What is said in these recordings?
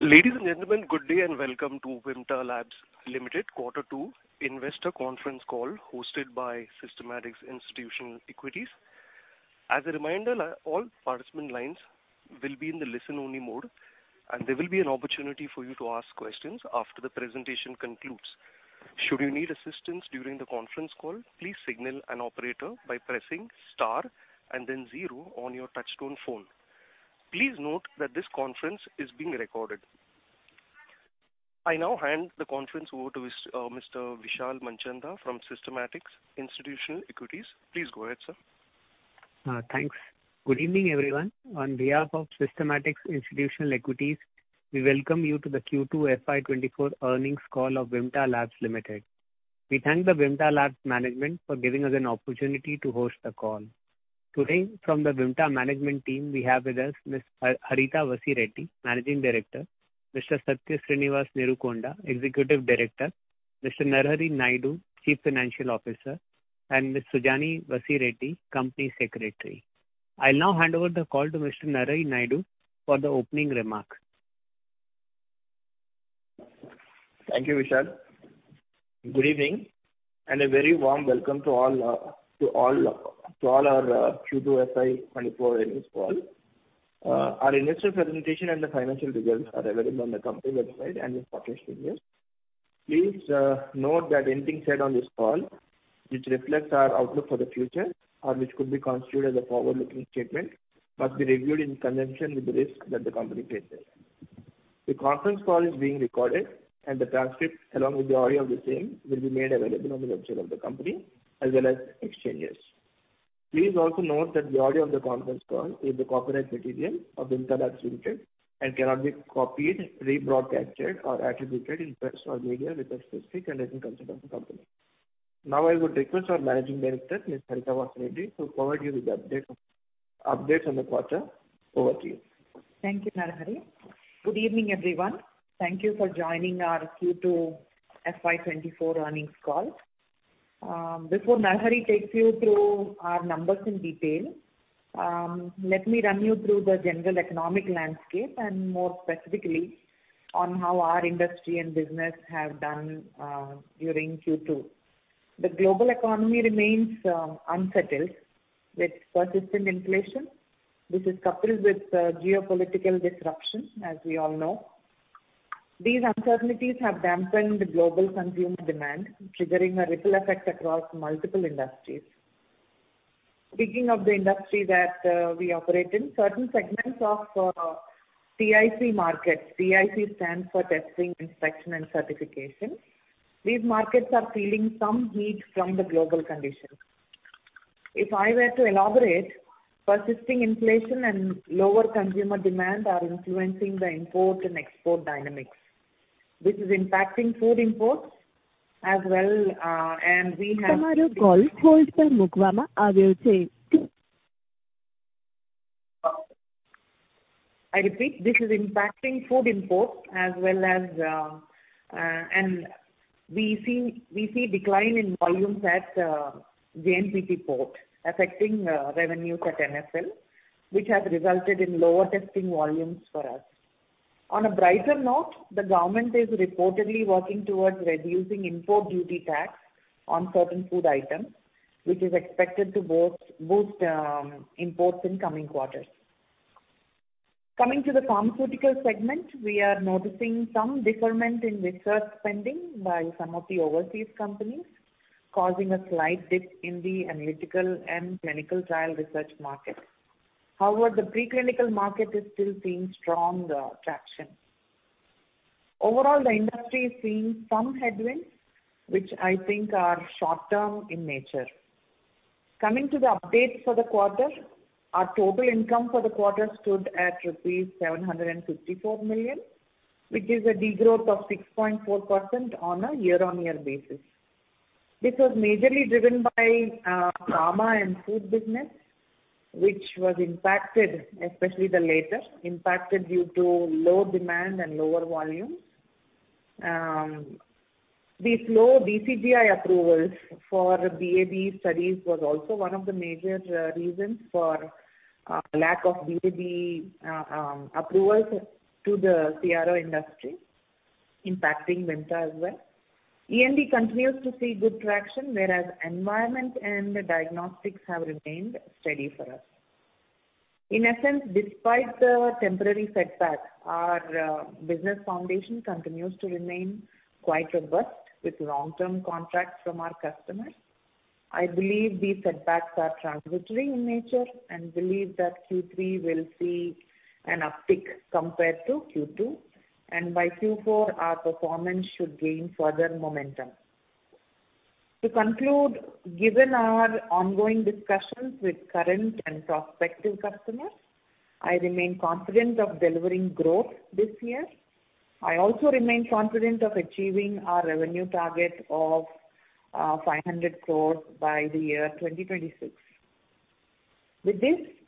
Ladies and gentlemen, good day, and welcome to Vimta Labs Limited Q2 Investor Conference Call, hosted by Systematix Institutional Equities. As a reminder, all participant lines will be in the listen-only mode, and there will be an opportunity for you to ask questions after the presentation concludes. Should you need assistance during the conference call, please signal an operator by pressing Star and then zero on your touchtone phone. Please note that this conference is being recorded. I now hand the conference over to Mr. Vishal Manchanda from Systematix Institutional Equities. Please go ahead, sir. Thanks. Good evening, everyone. On behalf of Systematix Institutional Equities, we welcome you to the Q2 FY24 earnings call of Vimta Labs Limited. We thank the Vimta Labs management for giving us an opportunity to host the call. Today, from the Vimta management team, we have with us Miss Harita Vasireddi, Managing Director, Mr. Satya Sreenivas Neerukonda, Executive Director, Mr. Narahari Naidu, Chief Financial Officer, and Miss Sujani Vasireddi, Company Secretary. I'll now hand over the call to Mr. Narahari Naidu for the opening remarks. Thank you, Vishal. Good evening, and a very warm welcome to all, to all, to all our Q2 FY 2024 earnings call. Our investor presentation and the financial results are available on the company website and in partnership news. Please note that anything said on this call, which reflects our outlook for the future or which could be constituted as a forward-looking statement, must be reviewed in conjunction with the risk that the company faces. The conference call is being recorded, and the transcript, along with the audio of the same, will be made available on the website of the company as well as exchanges. Please also note that the audio of the conference call is the copyright material of Vimta Labs Limited and cannot be copied, rebroadcast, or attributed in press or media without specific written consent of the company. Now, I would request our Managing Director, Miss Harita Vasireddi, to provide you with the update on the quarter. Over to you. Thank you, Narahari. Good evening, everyone. Thank you for joining our Q2 FY 2024 earnings call. Before Narahari takes you through our numbers in detail, let me run you through the general economic landscape and more specifically, on how our industry and business have done during Q2. The global economy remains unsettled, with persistent inflation, which is coupled with geopolitical disruptions, as we all know. These uncertainties have dampened the global consumer demand, triggering a ripple effect across multiple industries. Speaking of the industry that we operate in, certain segments of TIC markets. TIC stands for Testing, Inspection, and Certification. These markets are feeling some heat from the global conditions. If I were to elaborate, persisting inflation and lower consumer demand are influencing the import and export dynamics. This is impacting food imports as well, and we have-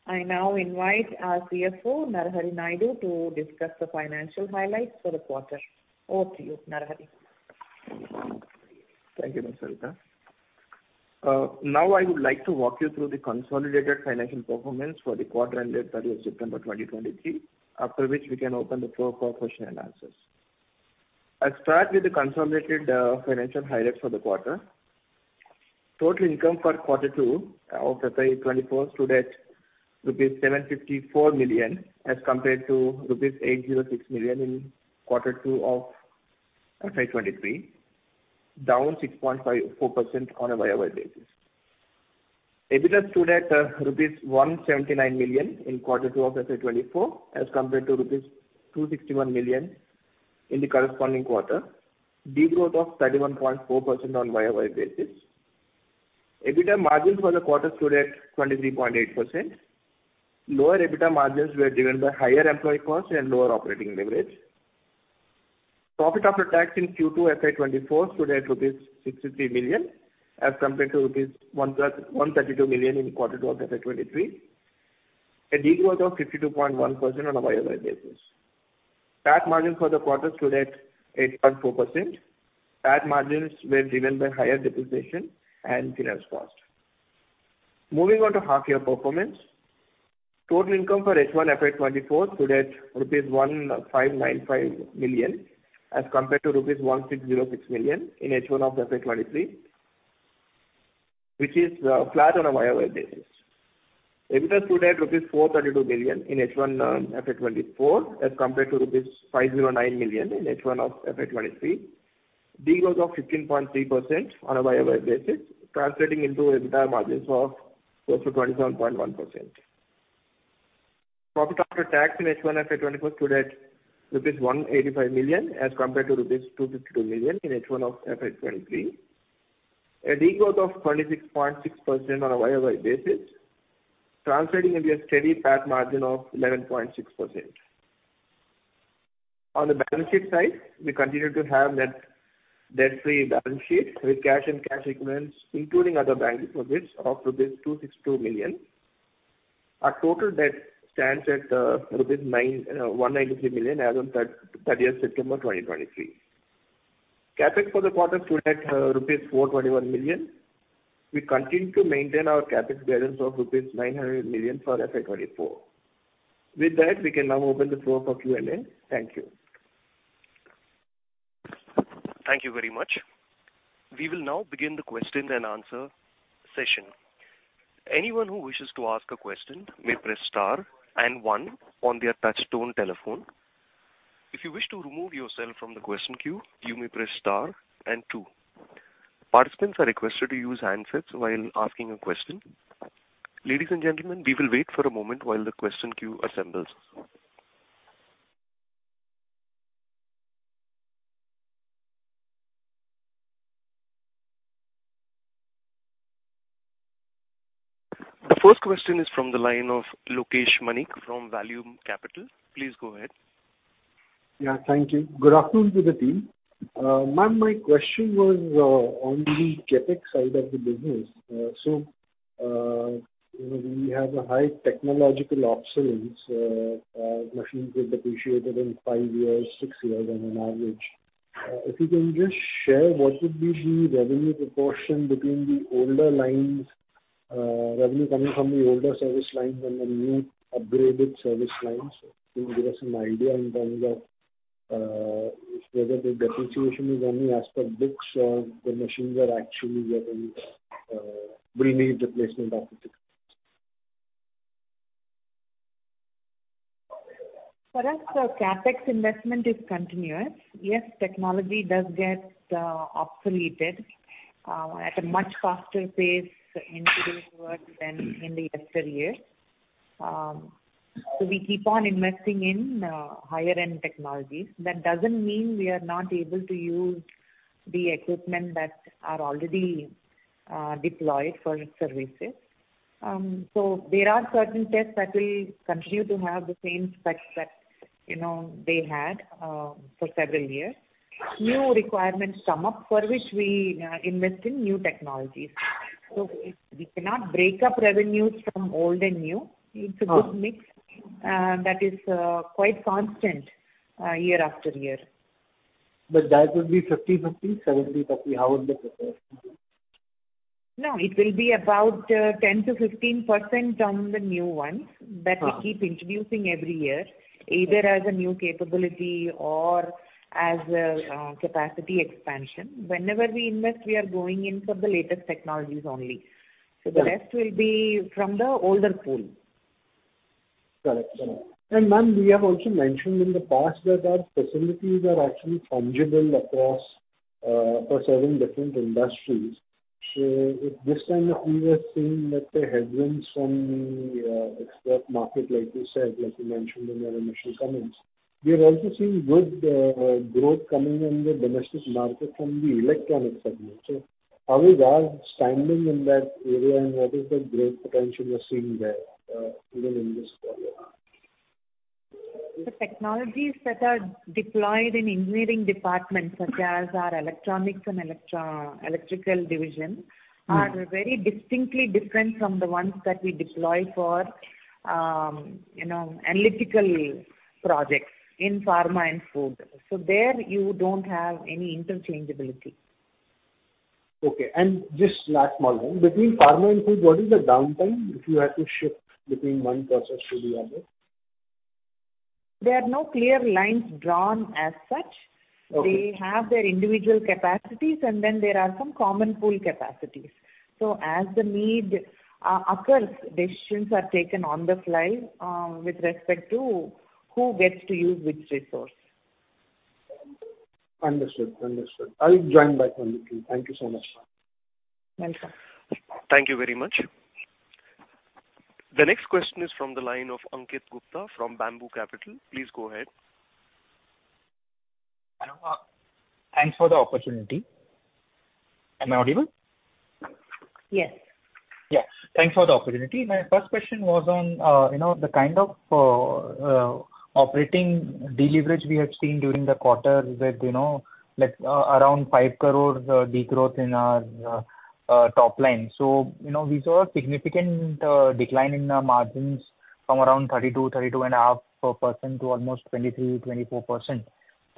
Now I would like to walk you through the consolidated financial performance for the quarter ended 30 September 2023, after which we can open the floor for question and answers. I'll start with the consolidated financial highlights for the quarter. Total income for Q2 of FY 2024 stood at rupees 754 million, as compared to rupees 806 million in Q2 of FY 2023, down 6.4% on a year-over-year basis. EBITDA stood at rupees 179 million in Q2 of FY 2024, as compared to rupees 261 million in the corresponding quarter, degrowth of 31.4% on year-over-year basis. EBITDA margins for the quarter stood at 23.8%. Lower EBITDA margins were driven by higher employee costs and lower operating leverage. Profit after tax in Q2 FY 2024 stood at rupees 63 million, as compared to rupees 132 million in quarter 2 of FY 2023, a degrowth of 52.1% on a year-over-year basis. PAT margin for the quarter stood at 8.4%. PAT margins were driven by higher depreciation and finance cost. Moving on to half year performance. Total income for H1 FY 2024 stood at rupees 1,595 million, as compared to rupees 1,606 million in H1 of FY 2023, which is flat on a year-over-year basis. EBITDA stood at rupees 432 million in H1 FY 2024, as compared to rupees 509 million in H1 of FY 2023. Degrowth of 15.3% on a year-over-year basis, translating into EBITDA margins of close to 27.1%. Profit after tax in H1 FY 2024 stood at rupees 185 million, as compared to rupees 252 million in H1 of FY 2023, a degrowth of 26.6% on a year-over-year basis, translating into a steady PAT margin of 11.6%. On the balance sheet side, we continue to have a net debt-free balance sheet, with cash and cash equivalents, including other bank profits, of rupees 262 million. Our total debt stands at 193 million as on thirtieth September 2023. Capex for the quarter stood at rupees 421 million. We continue to maintain our Capex guidance of rupees 900 million for FY 2024. With that, we can now open the floor for Q&A. Thank you. Thank you very much. We will now begin the question and answer session. Anyone who wishes to ask a question may press star and one on their touchtone telephone. If you wish to remove yourself from the question queue, you may press star and two. Participants are requested to use handsets while asking a question. Ladies and gentlemen, we will wait for a moment while the question queue assembles. The first question is from the line of Lokesh Manik from Vallum Capital. Please go ahead. Yeah, thank you. Good afternoon to the team. Ma'am, my question was on the Capex side of the business. So, you know, we have a high technological obsolescence. Machines get depreciated in 5 years, 6 years on an average. If you can just share, what would be the revenue proportion between the older lines, revenue coming from the older service lines and the new upgraded service lines? Can you give us an idea in terms of whether the depreciation is only as per books, or the machines are actually getting, will need replacement of the books? For us, the Capex investment is continuous. Yes, technology does get obsoleted at a much faster pace in today's world than in the yesteryear. So we keep on investing in higher-end technologies. That doesn't mean we are not able to use the equipment that are already deployed for its services. So there are certain tests that will continue to have the same specs that, you know, they had for several years. New requirements come up for which we invest in new technologies. So we cannot break up revenues from old and new. Uh- It's a good mix, that is, quite constant, year after year. That would be 50/50, 70/30, how would the proportion be? No, it will be about 10%-15% on the new ones. Uh. -that we keep introducing every year, either as a new capability or as a capacity expansion. Whenever we invest, we are going in for the latest technologies only. Yeah. The rest will be from the older pool. Got it. And, ma'am, we have also mentioned in the past that our facilities are actually fungible across for serving different industries. So if this time we were seeing that the headwinds from the export market, like you said, like you mentioned in your initial comments, we are also seeing good growth coming in the domestic market from the electronics segment. So how is our standing in that area, and what is the growth potential you're seeing there even in this quarter? The technologies that are deployed in engineering departments, such as our electronics and electrical division, are very distinctly different from the ones that we deploy for, you know, analytical projects in pharma and food. So there you don't have any interchangeability. Okay, just last small one. Between pharma and food, what is the downtime if you had to shift between one process to the other? There are no clear lines drawn as such. Okay. They have their individual capacities, and then there are some common pool capacities. So as the need occurs, decisions are taken on the fly, with respect to who gets to use which resource. Understood. Understood. I'll join back on the team. Thank you so much, ma'am. Welcome. Thank you very much. The next question is from the line of Ankit Gupta from Bamboo Capital. Please go ahead. Hello. Thanks for the opportunity. Am I audible? Yes. Yes. Thanks for the opportunity. My first question was on, you know, the kind of operating deleverage we have seen during the quarter with, you know, like, around 5 crore degrowth in our top line. So, you know, we saw a significant decline in the margins from around 32-32.5% to almost 23%-24%.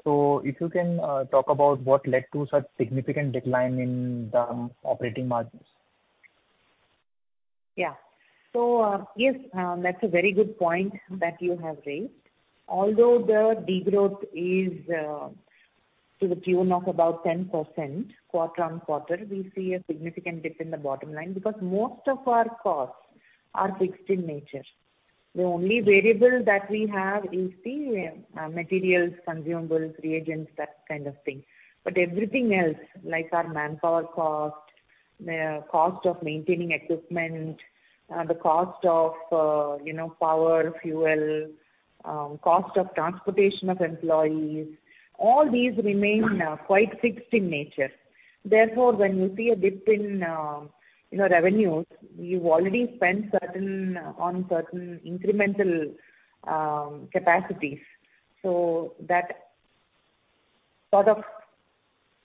So if you can talk about what led to such significant decline in the operating margins? Yeah. So, yes, that's a very good point that you have raised. Although the degrowth is to the tune of about 10% quarter-on-quarter, we see a significant dip in the bottom line because most of our costs are fixed in nature. The only variable that we have is the materials, consumables, reagents, that kind of thing. But everything else, like our manpower cost, the cost of maintaining equipment, the cost of you know, power, fuel, cost of transportation of employees, all these remain quite fixed in nature. Therefore, when you see a dip in your revenues, you've already spent certain on certain incremental capacities. So that sort of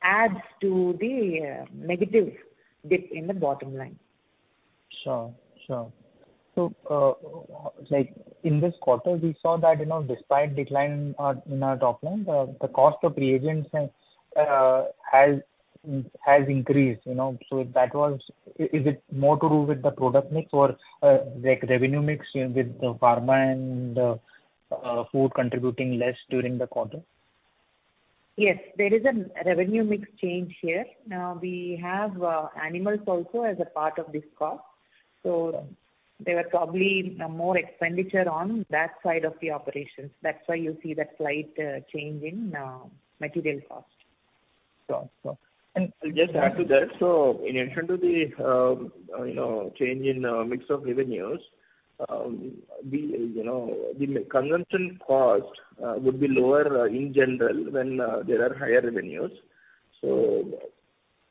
adds to the negative dip in the bottom line. Sure, sure. So, like, in this quarter, we saw that, you know, despite decline in our top line, the cost of reagents has increased, you know. So that was... is it more to do with the product mix or, like, revenue mix with the pharma and food contributing less during the quarter? Yes, there is a revenue mix change here. We have animals also as a part of this cost, so there were probably more expenditure on that side of the operations. That's why you see that slight change in material cost. Sure. Sure. And I'll just add to that. So in addition to the, you know, change in, mix of revenues, we, you know, the consumption cost, would be lower, in general when, there are higher revenues. So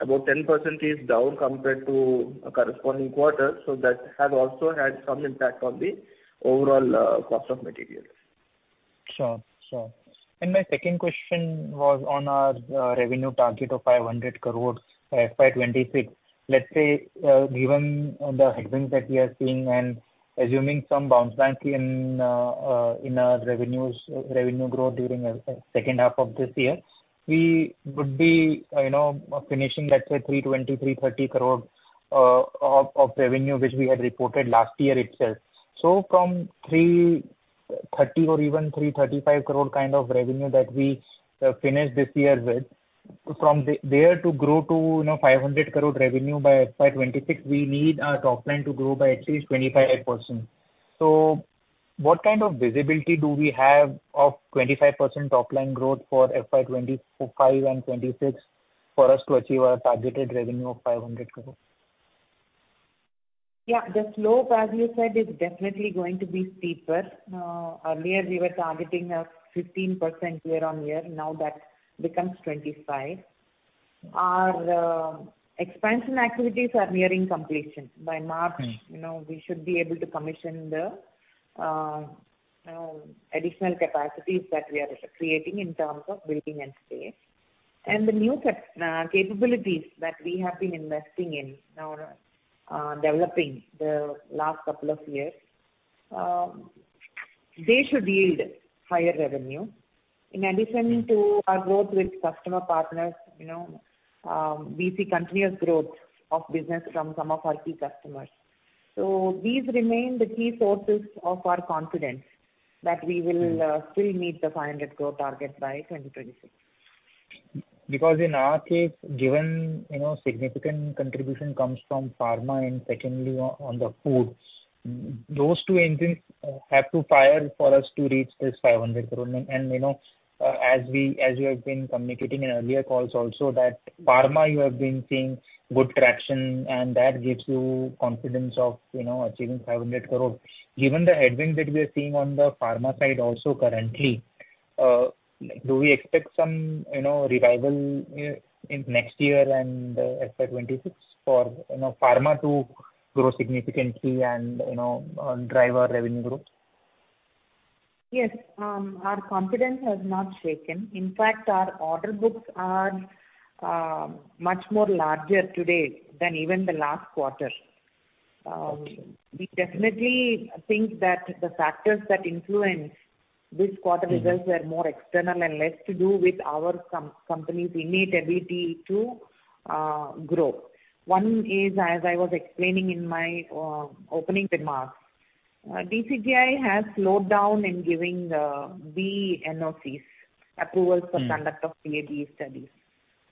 about 10% is down compared to a corresponding quarter, so that has also had some impact on the overall, cost of materials. Sure. My second question was on our revenue target of 500 crore by 2026. Let's say, given the headwinds that we are seeing and assuming some bounce back in our revenues, revenue growth during the second half of this year, we would be, you know, finishing, let's say, 320-330 crore of revenue, which we had reported last year itself. From 330 or even 335 crore kind of revenue that we finished this year with, from there to grow to, you know, 500 crore revenue by FY 2026, we need our top line to grow by at least 25%. What kind of visibility do we have of 25% top line growth for FY 2025 and 2026 for us to achieve our targeted revenue of 500 crore? Yeah, the slope, as you said, is definitely going to be steeper. Earlier we were targeting 15% year-on-year, now that becomes 25%. Our expansion activities are nearing completion. By March,.You know, we should be able to commission the additional capacities that we are creating in terms of building and space. And the new capabilities that we have been investing in or developing the last couple of years, they should yield higher revenue. In addition to our growth with customer partners, you know, we see continuous growth of business from some of our key customers. So these remain the key sources of our confidence that we will still meet the 500 crore target by 2026. Because in our case, given, you know, significant contribution comes from pharma and secondly, on the foods, those two engines have to fire for us to reach this 500 crore. And, you know, as we, as you have been communicating in earlier calls also, that pharma you have been seeing good traction, and that gives you confidence of, you know, achieving 500 crore. Given the headwinds that we are seeing on the pharma side also currently, do we expect some, you know, revival in, in next year and FY 2026 for, you know, pharma to grow significantly and, you know, drive our revenue growth? Yes, our confidence has not shaken. In fact, our order books are, much more larger today than even the last quarter. We definitely think that the factors that influence this quarter results are more external and less to do with our company's innate ability to, grow. One is, as I was explaining in my, opening remarks, DCGI has slowed down in giving, the NOCs, approvals for conduct of BA/BE studies.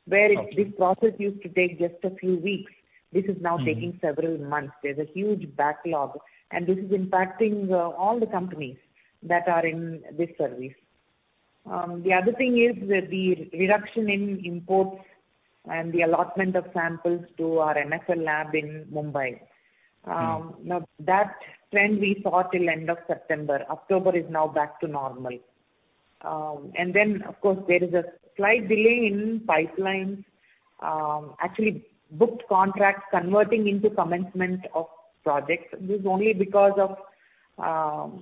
Where this process used to take just a few weeks, this is now taking several months. There's a huge backlog, and this is impacting, all the companies that are in this service. The other thing is the reduction in imports and the allotment of samples to our NFL lab in Mumbai. Now, that trend we saw till end of September. October is now back to normal. And then, of course, there is a slight delay in pipeline, actually, booked contracts converting into commencement of projects. This is only because of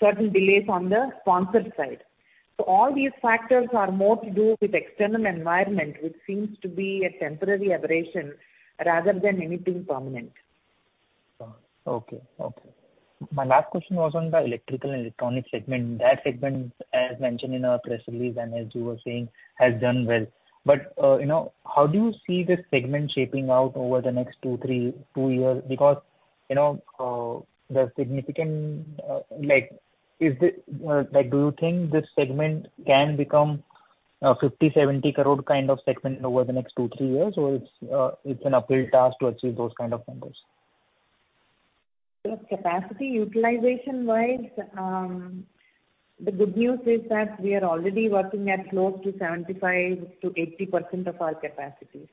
certain delays on the sponsor side. So all these factors are more to do with external environment, which seems to be a temporary aberration rather than anything permanent. Okay, okay. My last question was on the electrical and electronic segment. That segment, as mentioned in our press release and as you were saying, has done well. But, you know, how do you see this segment shaping out over the next 2, 3, 2 years? Because, you know, the significant—like, is the, like, do you think this segment can become, 50, 70 crore kind of segment over the next 2, 3 years, or it's, it's an uphill task to achieve those kind of numbers? Capacity utilization-wise, the good news is that we are already working at close to 75%-80% of our capacity.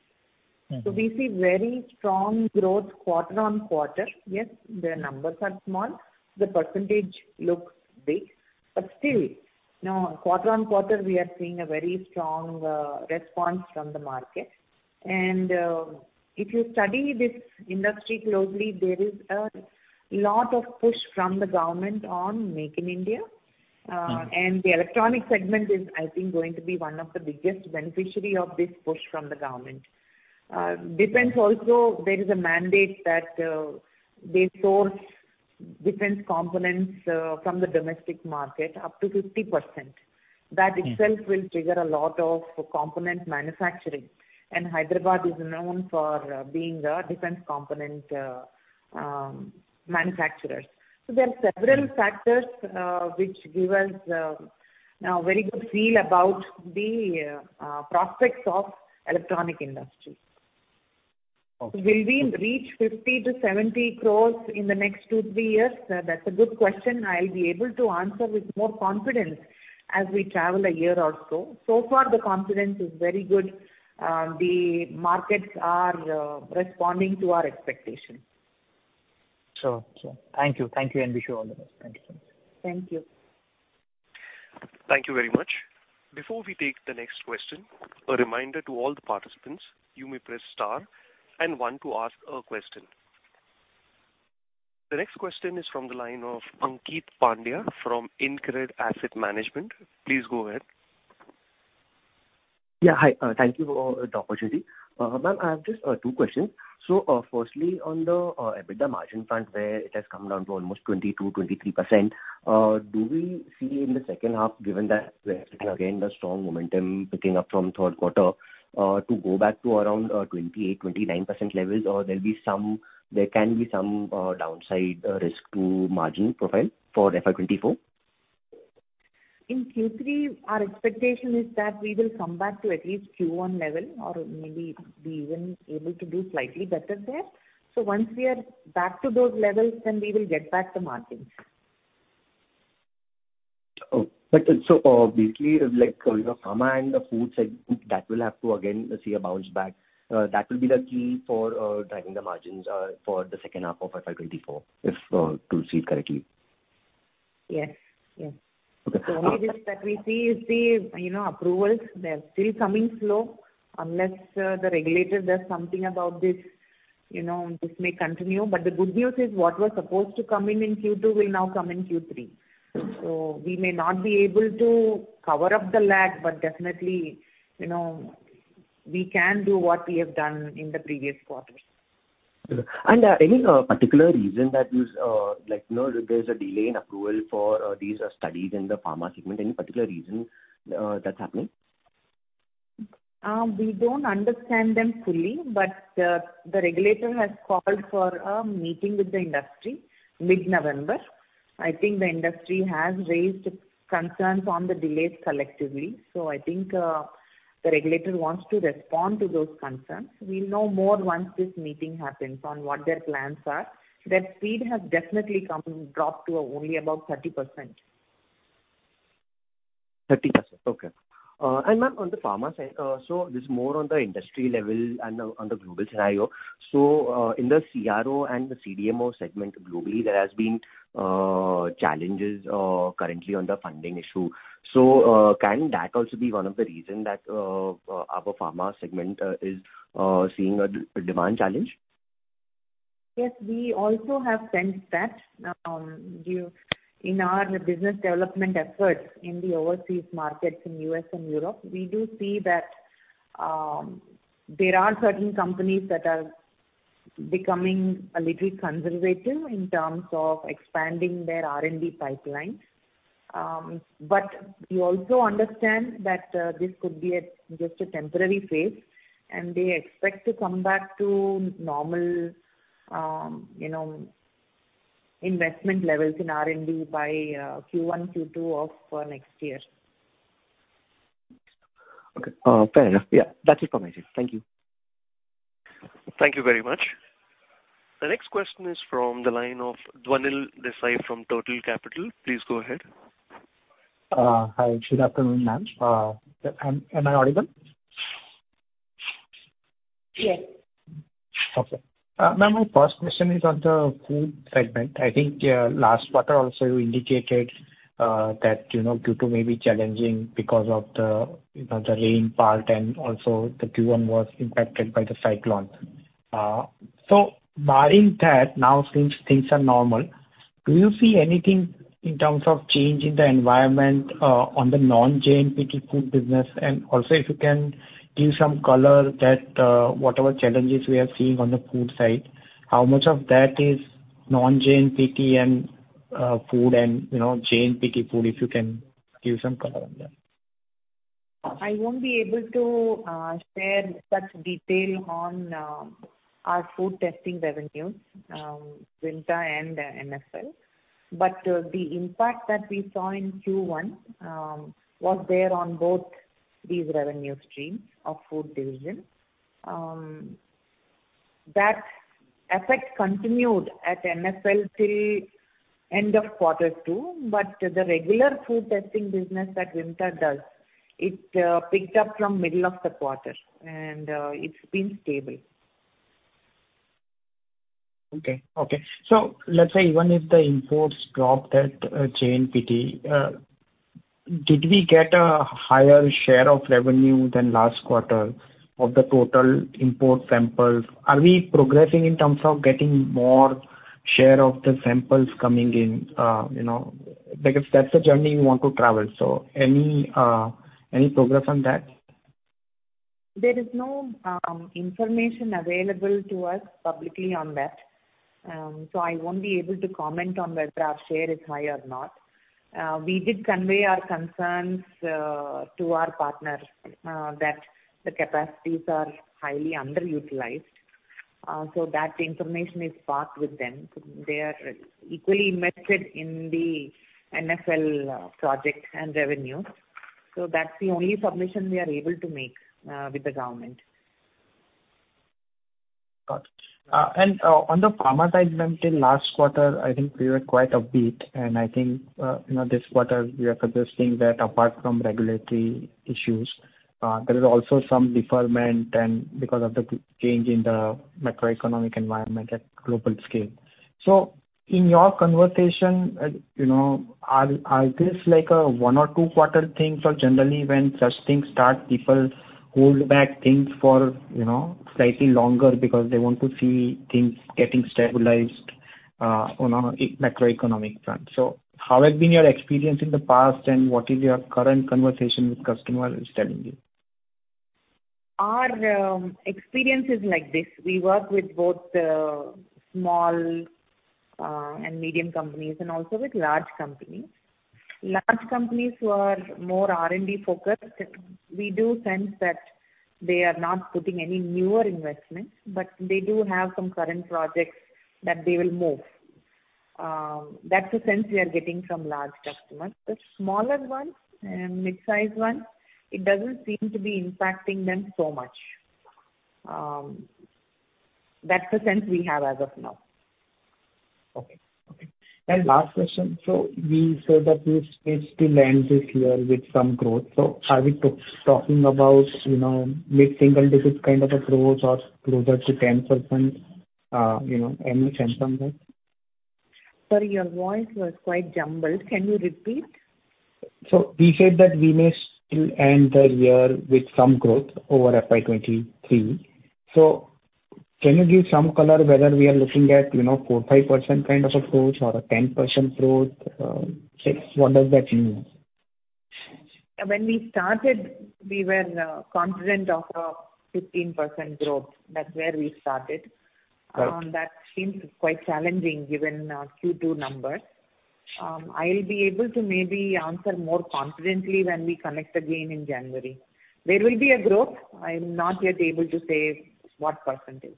We see very strong growth quarter-over-quarter. Yes, the numbers are small, the percentage looks big, but still, you know, quarter-over-quarter, we are seeing a very strong response from the market. And, if you study this industry closely, there is a lot of push from the government on Make in India. The electronic segment is, I think, going to be one of the biggest beneficiary of this push from the government. Defense also, there is a mandate that they source defense components from the domestic market up to 50%. That itself will trigger a lot of component manufacturing, and Hyderabad is known for being a defense component manufacturers. So there are several factors, which give us a very good feel about the prospects of electronic industry. Okay. Will we reach 50 crore-70 crore in the next 2-3 years? That's a good question I'll be able to answer with more confidence as we travel a year or so. So far, the confidence is very good. The markets are responding to our expectations. Sure, sure. Thank you. Thank you, and wish you all the best. Thank you. Thank you. Thank you very much. Before we take the next question, a reminder to all the participants, you may press star and one to ask a question. The next question is from the line of Ankeet Pandya from InCred Asset Management. Please go ahead. Yeah, hi, thank you for the opportunity. Ma'am, I have just two questions. So, firstly, on the EBITDA margin front, where it has come down to almost 22%-23%, do we see in the second half, given that again, the strong momentum picking up from third quarter, to go back to around 28%-29% levels, or there'll be some there can be some downside risk to margin profile for FY 2024? In Q3, our expectation is that we will come back to at least Q1 level or maybe be even able to do slightly better there. So once we are back to those levels, then we will get back the margins. Oh, but so, basically, like, you know, pharma and the food segment, that will have to again see a bounce back. That will be the key for driving the margins for the second half of FY24, if to see it correctly. Yes, yes. Okay. Only this that we see is the, you know, approvals. They're still coming slow. Unless the regulator does something about this, you know, this may continue. But the good news is what was supposed to come in in Q2 will now come in Q3. So we may not be able to cover up the lag, but definitely, you know, we can do what we have done in the previous quarters. Any particular reason that you like, you know, there's a delay in approval for these studies in the pharma segment? Any particular reason that's happening? We don't understand them fully, but the regulator has called for a meeting with the industry mid-November. I think the industry has raised concerns on the delays collectively, so I think the regulator wants to respond to those concerns. We'll know more once this meeting happens on what their plans are. The speed has definitely come dropped to only about 30%. 30%, okay. And, ma'am, on the pharma side, so this is more on the industry level and on the global scenario. So, in the CRO and the CDMO segment globally, there has been challenges currently on the funding issue. So, can that also be one of the reason that, our pharma segment, is seeing a demand challenge? Yes, we also have sensed that, due in our business development efforts in the overseas markets in U.S. and Europe. We do see that there are certain companies that are becoming a little conservative in terms of expanding their R&D pipelines. But we also understand that this could be just a temporary phase, and they expect to come back to normal, you know, investment levels in R&D by Q1, Q2 of next year. Okay. Fair enough. Yeah, that's it from my side. Thank you. Thank you very much. The next question is from the line of Dhanil Desai from Total Capital. Please go ahead. Hi. Good afternoon, ma'am. Am I audible? Yes. Okay. Ma'am, my first question is on the food segment. I think last quarter also you indicated that you know Q2 may be challenging because of the you know the rain part, and also the Q1 was impacted by the cyclone. So barring that, now since things are normal, do you see anything in terms of change in the environment on the non-JNPT food business? And also, if you can give some color that whatever challenges we are seeing on the food side, how much of that is non-JNPT and food and you know JNPT food, if you can give some color on that. I won't be able to share such detail on our food testing revenues, Vimta and NFL. But the impact that we saw in Q1 was there on both these revenue streams of food division. That effect continued at NFL till end of quarter two, but the regular food testing business that Vimta does, it picked up from middle of the quarter, and it's been stable. Okay, okay. So let's say even if the imports dropped at JNPT, did we get a higher share of revenue than last quarter of the total import samples? Are we progressing in terms of getting more share of the samples coming in, you know, because that's the journey you want to travel, so any any progress on that? There is no information available to us publicly on that. So I won't be able to comment on whether our share is high or not. We did convey our concerns to our partner that the capacities are highly underutilized. So that information is parked with them. They are equally invested in the NFL project and revenue. So that's the only submission we are able to make with the government. Got it. And on the pharma side, ma'am, till last quarter, I think we were quite upbeat, and I think, you know, this quarter we are suggesting that apart from regulatory issues, there is also some deferment and because of the change in the macroeconomic environment at global scale. So in your conversation, you know, is this like a one or two quarter thing? So generally, when such things start, people hold back things for, you know, slightly longer because they want to see things getting stabilized on a macroeconomic front. So how has been your experience in the past, and what is your current conversation with customers telling you? Our experience is like this: we work with both small and medium companies and also with large companies. Large companies who are more R&D focused, we do sense that they are not putting any newer investments, but they do have some current projects that they will move. That's the sense we are getting from large customers. The smaller ones and mid-sized ones, it doesn't seem to be impacting them so much. That's the sense we have as of now. Okay. Okay, and last question. So we said that we still end this year with some growth. So are we talking about, you know, mid-single digits kind of a growth or closer to 10%, you know, any sense on that? Sorry, your voice was quite jumbled. Can you repeat? So we said that we may still end the year with some growth over FY 2023. So can you give some color whether we are looking at, you know, 4, 5% kind of a growth or a 10% growth? So what does that mean? When we started, we were confident of a 15% growth. That's where we started. Right. That seems quite challenging, given Q2 numbers. I'll be able to maybe answer more confidently when we connect again in January. There will be a growth. I'm not yet able to say what percentage.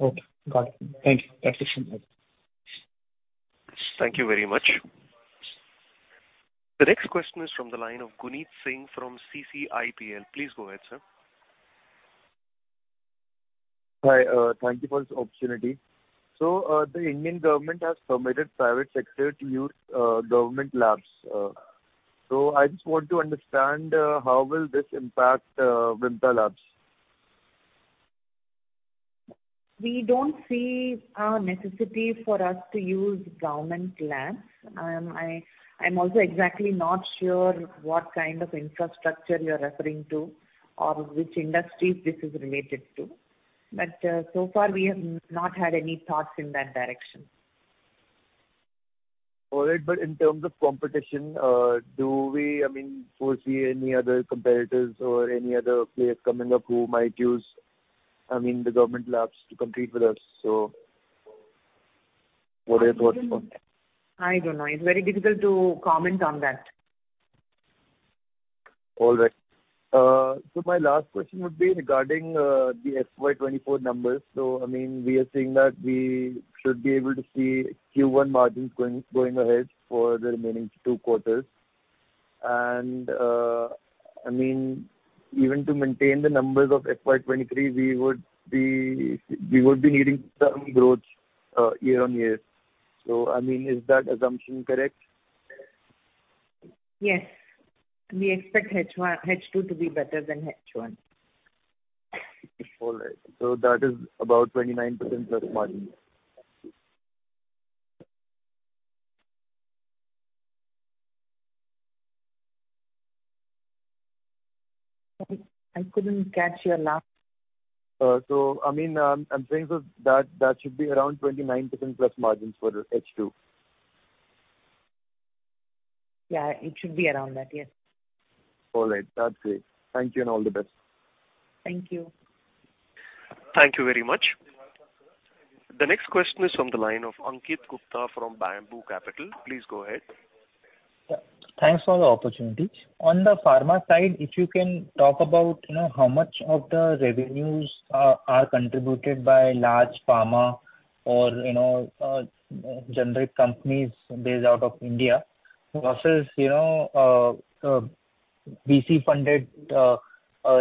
Okay, got it. Thank you. That's it from my end. Thank you very much. The next question is from the line of Guneet Singh from CCIPL. Please go ahead, sir. Hi, thank you for this opportunity. So, the Indian government has permitted private sector to use government labs. So I just want to understand how will this impact Vimta Labs? We don't see a necessity for us to use government labs. I'm also exactly not sure what kind of infrastructure you're referring to or which industry this is related to, but so far we have not had any thoughts in that direction. All right, but in terms of competition, do we, I mean, foresee any other competitors or any other players coming up who might use, I mean, the government labs to compete with us? So what are your thoughts on that? I don't know. It's very difficult to comment on that. All right. So my last question would be regarding the FY 2024 numbers. So I mean, we are saying that we should be able to see Q1 margins going, going ahead for the remaining two quarters. And, I mean, even to maintain the numbers of FY 2023, we would be, we would be needing some growth, year-on-year. So, I mean, is that assumption correct? Yes. We expect H2 to be better than H1. All right. So that is about 29% plus margin. I couldn't catch your last... So I mean, I'm saying that should be around 29% plus margins for H2. Yeah, it should be around that. Yes. All right. That's it. Thank you, and all the best. Thank you. Thank you very much. The next question is from the line of Ankit Gupta from Bamboo Capital. Please go ahead. Yeah. Thanks for the opportunity. On the pharma side, if you can talk about, you know, how much of the revenues are contributed by large pharma or, you know, generic companies based out of India. Versus, you know, BC-funded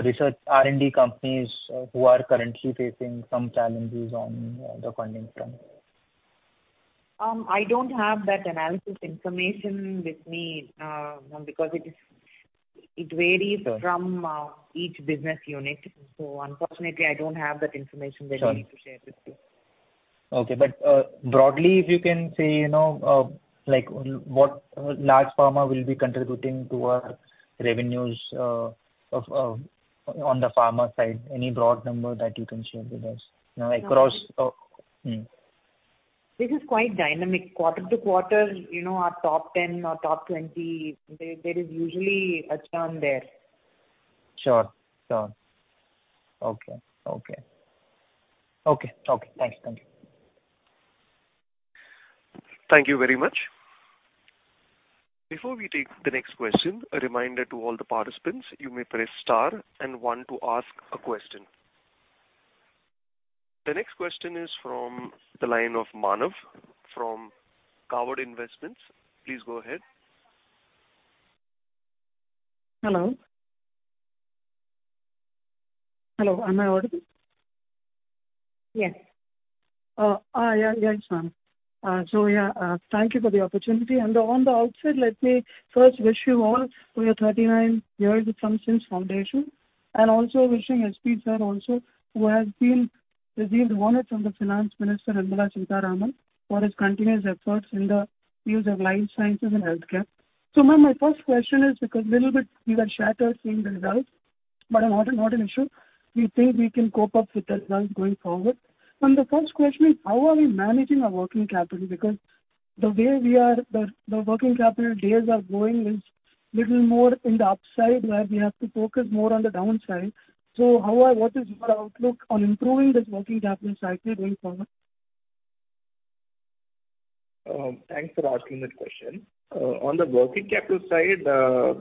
research R&D companies who are currently facing some challenges on the funding front. I don't have that analysis information with me, because it is... It varies. Sure. from each business unit. So unfortunately, I don't have that information with me. Sure. to share with you. Okay, but broadly, if you can say, you know, like, what large pharma will be contributing to our revenues on the pharma side. Any broad number that you can share with us, you know, across. This is quite dynamic. Quarter to quarter, you know, our top ten or top twenty, there is usually a turn there. Sure, sure. Okay, okay. Okay, okay. Thanks. Thank you. Thank you very much. Before we take the next question, a reminder to all the participants, you may press star and one to ask a question. The next question is from the line of Manav from Kovard Investments. Please go ahead. Hello? Hello, am I audible? Yes. Yeah, yes, ma'am. Yeah, thank you for the opportunity. On the outset, let me first wish you all for your 39 years from since foundation, and also wishing S.P. Sir also, who has been received honored from the Finance Minister, Nirmala Sitharaman, for his continuous efforts in the fields of life sciences and healthcare. Ma'am, my first question is because little bit we were shattered seeing the results, but not, not an issue. We think we can cope up with the results going forward. The first question is: How are we managing our working capital? Because the way we are, the working capital days are going is little more in the upside, where we have to focus more on the downside. How are. What is your outlook on improving this working capital cycle going forward? Thanks for asking that question. On the working capital side,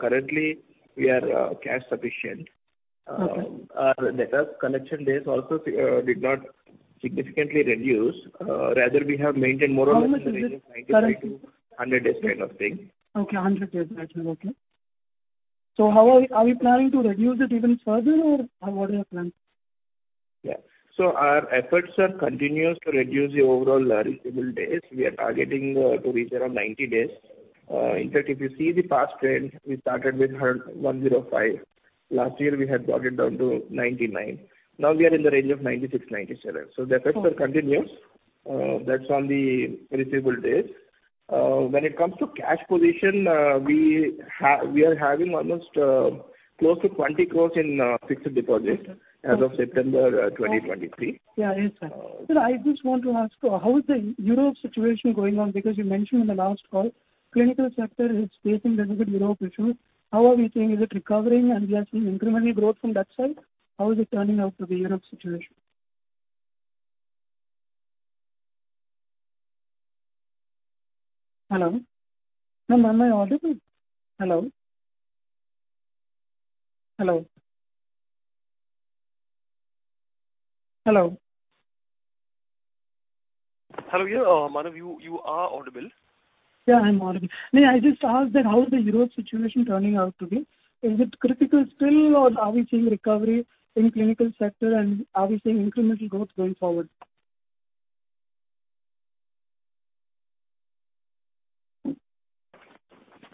currently we are cash sufficient. Okay. Our debtor collection days also did not significantly reduce. Rather, we have maintained more or less- How much is it currently? 93-100 days kind of thing. Okay, 100 days, actually. Okay. So, how are we? Are we planning to reduce it even further, or what are your plans? Yeah. So our efforts are continuous to reduce the overall receivable days. We are targeting to reach around 90 days. In fact, if you see the past trend, we started with 105. Last year, we had brought it down to 99. Now we are in the range of 96-97. Okay. So the efforts are continuous. That's on the receivable days. When it comes to cash position, we are having almost close to 20 crore in fixed deposits- Okay. -as of September, 2023. Yeah. Yes, sir. So I just want to ask how is the Europe situation going on? Because you mentioned in the last call, clinical sector is facing a little bit Europe issue. How are we seeing, is it recovering, and we are seeing incremental growth from that side? How is it turning out to the Europe situation? Hello? Ma'am, am I audible? Hello? Hello? Hello. Hello, yeah, Manav, you are audible. Yeah, I'm audible. May I just ask that, how is the Europe situation turning out to be? Is it critical still, or are we seeing recovery in clinical sector, and are we seeing incremental growth going forward?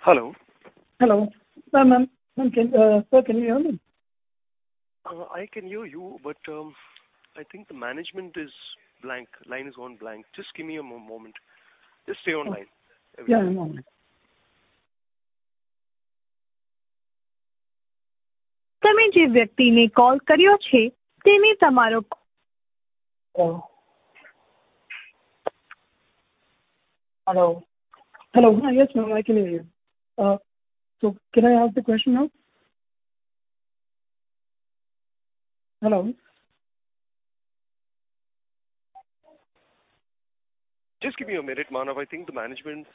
Hello? Hello. Ma'am, ma'am, sir, can you hear me? I can hear you, but I think the management is blank. Line has gone blank. Just give me a moment. Just stay on line. Yeah, one moment. The person you have called, he is your- Hello? Hello. Hello. Yes, ma'am, I can hear you. So can I ask the question now? Hello. Just give me a minute, Manav. I think the management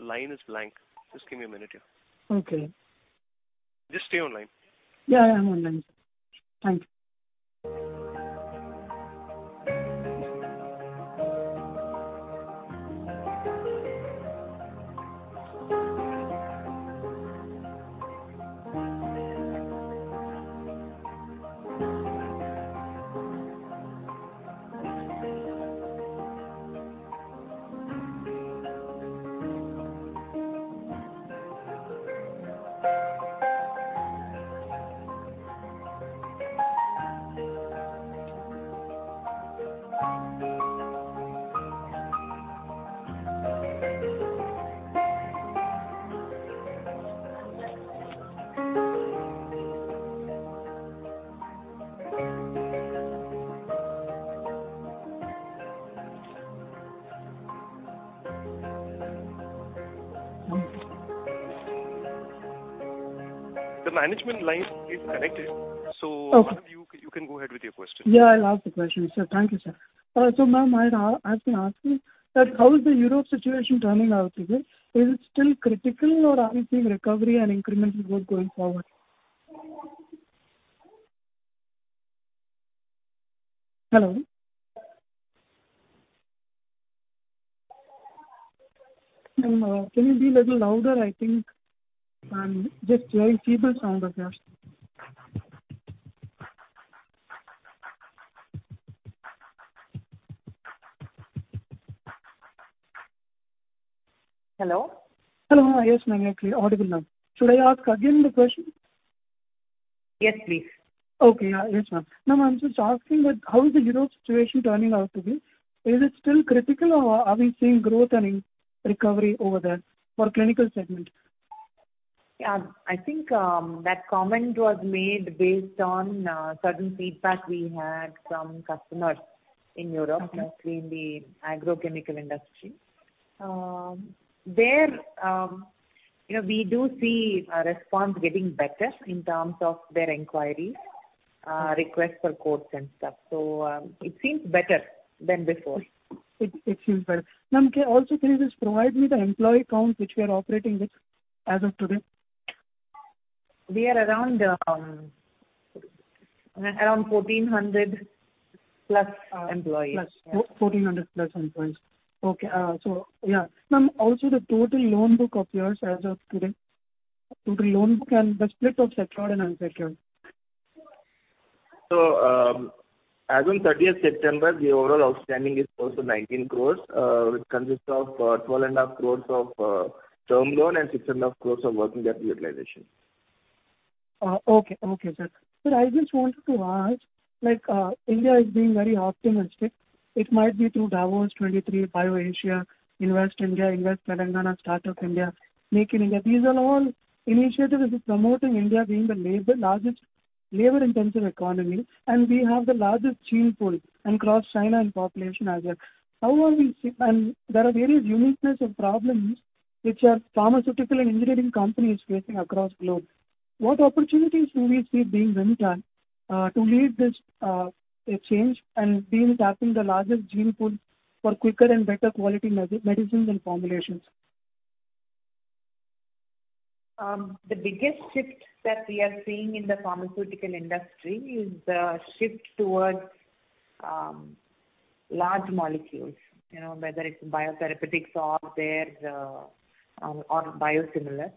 line is blank. Just give me a minute here. Okay. Just stay online. Yeah, I'm online. Thank you. The management line is connected. Okay. Manav, you can go ahead with your question. Yeah, I'll ask the question, sir. Thank you, sir. So ma'am, I'd, I've been asking that, how is the Europe situation turning out to be? Is it still critical, or are we seeing recovery and incremental growth going forward? Hello? Can you be a little louder? I think I'm just very feeble sound over here. Hello? Hello. Yes, ma'am. I can hear audible now. Should I ask again the question? Yes, please. Okay. Yes, ma'am. Ma'am, I'm just asking that, how is the Europe situation turning out to be? Is it still critical, or are we seeing growth and recovery over there for clinical segment? Yeah. I think that comment was made based on certain feedback we had from customers in Europe. Okay. Mostly in the agrochemical industry. There, you know, we do see response getting better in terms of their inquiry, requests for quotes and stuff. So, it seems better than before. It seems better. Ma'am, can you also please just provide me the employee count which we are operating with as of today? We are around 1,400+ employees. Plus. 1,400+ employees. Okay. So yeah. Ma'am, also the total loan book of yours as of today, total loan book and the split of secured and unsecured. So, as on 30th September, the overall outstanding is close to 19 crore, which consists of 12.5 crore of term loan and 6.5 crore of working capital utilization. Okay. Okay, sir. Sir, I just wanted to ask, like, India is being very optimistic. It might be through Davos 2023, BioAsia, Invest India, Invest Telangana, Startup India, Make in India. These are all initiatives which is promoting India being the labor, largest labor-intensive economy, and we have the largest gene pool across China in population as well. How are we see. There are various uniqueness of problems which our pharmaceutical and engineering companies facing across globe. What opportunities do we see being Vimta, to lead this, a change and being tapping the largest gene pool for quicker and better quality medicines and formulations? The biggest shift that we are seeing in the pharmaceutical industry is the shift towards large molecules. You know, whether it's biotherapeutics or biosimilar.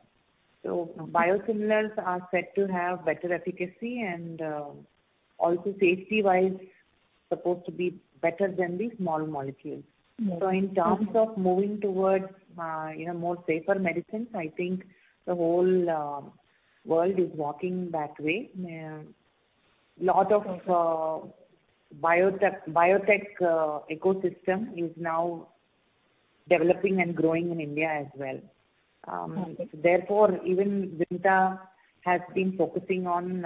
So biosimilars are said to have better efficacy and also safety-wise, supposed to be better than the small molecules. Mm-hmm. So in terms of moving towards, you know, more safer medicines, I think the whole world is walking that way. A lot of biotech ecosystem is now developing and growing in India as well. Okay. Therefore, even Vimta has been focusing on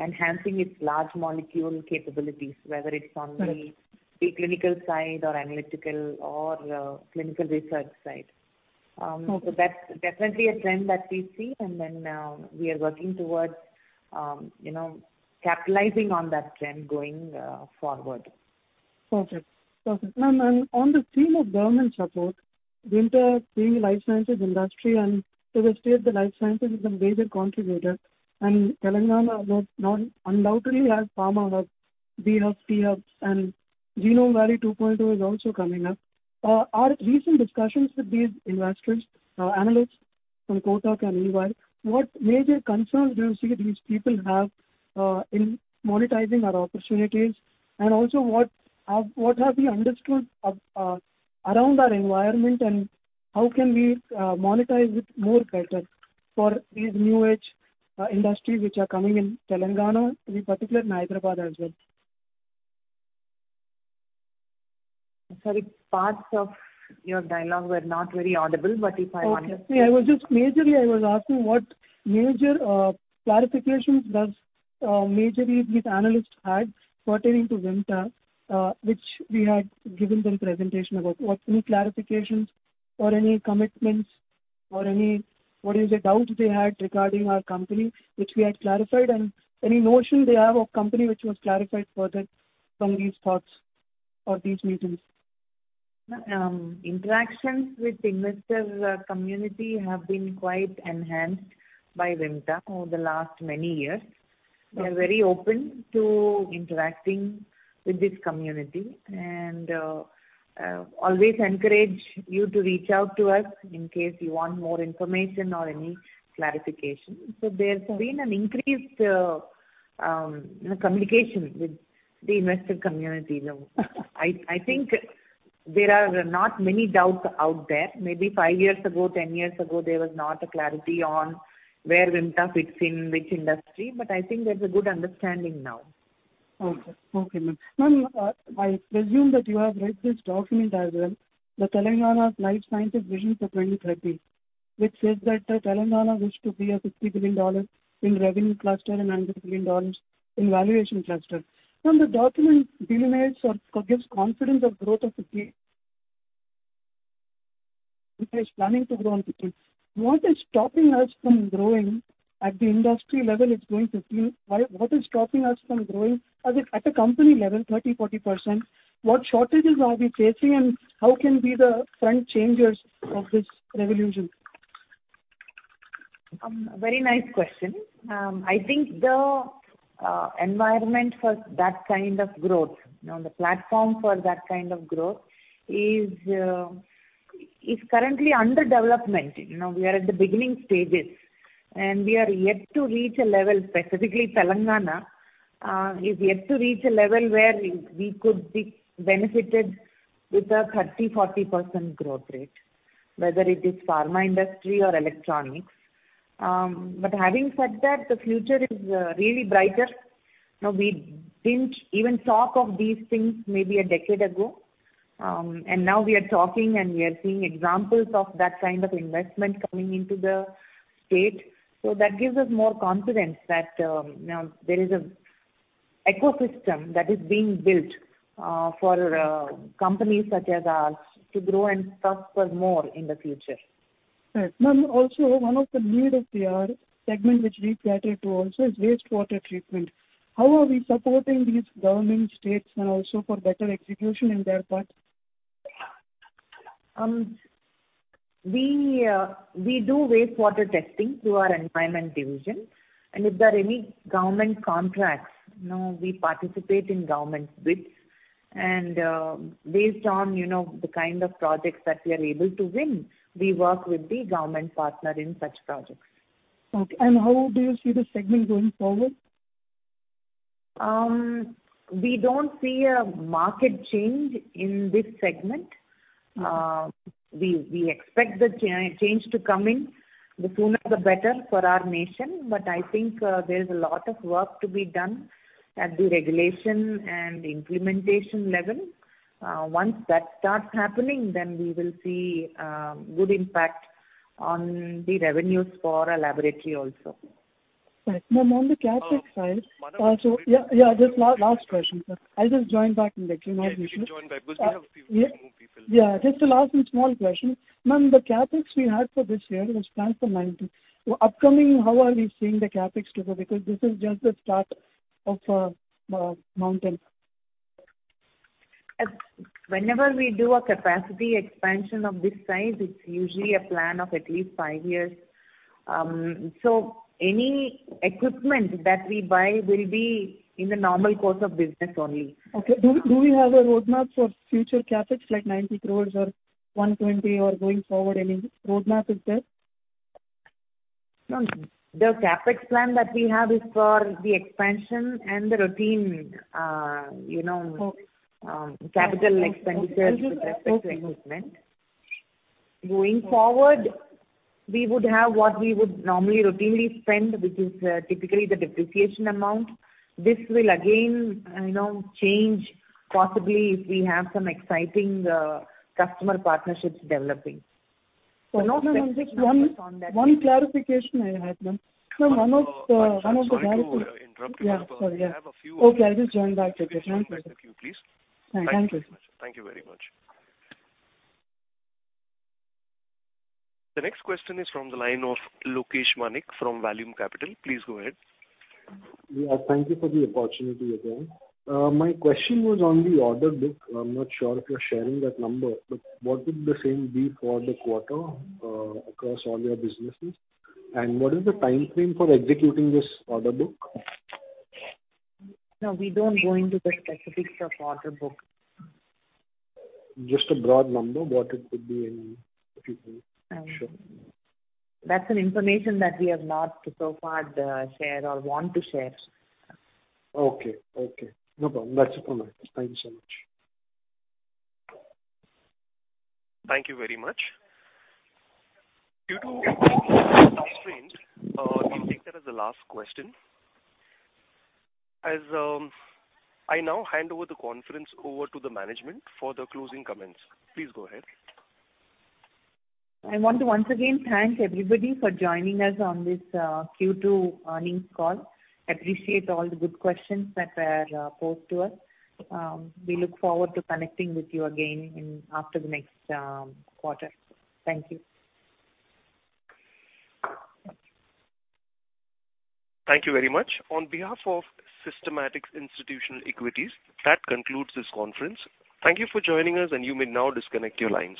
enhancing its Large Molecules capabilities, whether it's on the- Right. the clinical side or analytical or clinical research side. Okay. That's definitely a trend that we see, and then we are working towards, you know, capitalizing on that trend going forward. Perfect. Perfect. Ma'am, and on the theme of government support, Vimta being life sciences industry, and to the state, the life sciences is a major contributor. And Telangana undoubtedly has pharma hubs, B-Hub, T-Hub, and Genome Valley 2.0 is also coming up. Our recent discussions with these investors, analysts from Kotak and IIFL, what major concerns do you see these people have in monetizing our opportunities? And also what we have understood around our environment, and how can we monetize it more better for these new age industry which are coming in Telangana, in particular Hyderabad as well? Sorry, parts of your dialogue were not very audible, but if I want- Okay. Yeah, I was just majorly, I was asking what major clarifications does majorly these analysts had pertaining to Vimta, which we had given them presentation about. What any clarifications or any commitments or any, what is the doubt they had regarding our company, which we had clarified, and any notion they have of company which was clarified further from these thoughts or these meetings? Interactions with the investor community have been quite enhanced by Vimta over the last many years. Okay. We are very open to interacting with this community, and always encourage you to reach out to us in case you want more information or any clarification. So there's been an increased communication with the investor community. I think there are not many doubts out there. Maybe five years ago, 10 years ago, there was not a clarity on where Vimta fits in which industry, but I think there's a good understanding now. Okay. Okay, ma'am. Ma'am, I presume that you have read this document as well, the Telangana Life Sciences Vision for 2030, which says that Telangana wish to be a $50 billion in revenue cluster and $100 billion in valuation cluster. Ma'am, the document delineates or gives confidence of growth of 50, is planning to grow on 50. What is stopping us from growing at the industry level, it's growing 15. Why? What is stopping us from growing at a company level, 30%-40%? What shortages are we facing and how can we be the front changers of this revolution? Very nice question. I think the environment for that kind of growth, you know, the platform for that kind of growth is currently under development. You know, we are at the beginning stages, and we are yet to reach a level, specifically Telangana is yet to reach a level where we could be benefited with a 30%-40% growth rate. Whether it is pharma industry or electronics. But having said that, the future is really brighter. Now, we didn't even talk of these things maybe a decade ago. And now we are talking and we are seeing examples of that kind of investment coming into the state. So that gives us more confidence that, you know, there is an ecosystem that is being built for companies such as ours to grow and prosper more in the future. Right. Ma'am, also one of the need of the hour segment which we cater to also is wastewater treatment. How are we supporting these government states and also for better execution in their part? We, we do wastewater testing through our environment division, and if there are any government contracts, you know, we participate in government bids. And, based on, you know, the kind of projects that we are able to win, we work with the government partner in such projects. Okay, and how do you see this segment going forward? We don't see a market change in this segment. We expect the change to come in, the sooner the better for our nation. But I think there's a lot of work to be done at the regulation and implementation level. Once that starts happening, then we will see good impact on the revenues for our laboratory also. Right. Ma'am, on the CapEx side- Uh, madam- Yeah, yeah, just last question, sir. I just joined back in the queue. Yeah, please join back because we have a few more people. Yeah, just the last and small question. Ma'am, the CapEx we had for this year was planned for 90. Upcoming, how are we seeing the CapEx to go? Because this is just the start of mountain. Whenever we do a capacity expansion of this size, it's usually a plan of at least five years. So any equipment that we buy will be in the normal course of business only. Okay. Do we have a roadmap for future CapEx, like 90 crore or 120 or going forward, any roadmap is there? No. The CapEx plan that we have is for the expansion and the routine, you know- Okay. Capital expenditures with respect to equipment. Okay. Going forward, we would have what we would normally routinely spend, which is, typically the depreciation amount. This will again, you know, change possibly if we have some exciting, customer partnerships developing. One clarification I had, ma'am. Ma'am, one of the- Sorry to interrupt you. Yeah. Sorry. We have a few- Okay, I'll just join back to the... Queue, please. Thank you. Thank you very much. The next question is from the line of Lokesh Manik from Value Capital. Please go ahead. Yeah, thank you for the opportunity again. My question was on the order book. I'm not sure if you're sharing that number, but what would the same be for the quarter, across all your businesses? And what is the timeframe for executing this order book? No, we don't go into the specifics of order book. Just a broad number, what it could be in the future? That's an information that we have not so far, shared or want to share. Okay, okay. No problem. That's all right. Thank you so much. Thank you very much. Due to constraints, we'll take that as the last question. As I now hand over the conference over to the management for the closing comments. Please go ahead. I want to once again thank everybody for joining us on this Q2 earnings call. Appreciate all the good questions that were posed to us. We look forward to connecting with you again in after the next quarter. Thank you. Thank you very much. On behalf of Systematix Institutional Equities, that concludes this conference. Thank you for joining us, and you may now disconnect your lines.